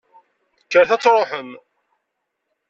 Kkret ad truḥem!